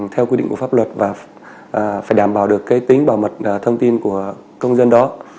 theo quy định của pháp luật và phải đảm bảo được cái tính bảo mật thông tin của công dân đó